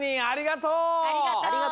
ありがとう！